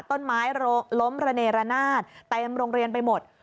ต้นไม้ล้มระเนรนาศเต็มโรงเรียนไปหมด